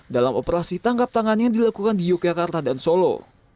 dalam operasi tangkap tangan yang dilakukan di yogyakarta dan solo